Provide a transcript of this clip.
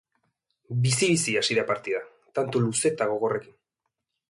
Bizi-bizi hasi da partida, tanto luze eta gogorrekin.